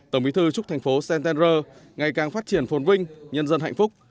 tổng bí thư chúc thành phố centender ngày càng phát triển phồn vinh nhân dân hạnh phúc